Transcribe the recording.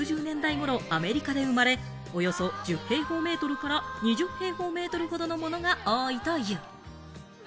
１９９０年代頃、アメリカで生まれ、およそ１０平方メートルから２０平方メートルほどのものが多いという。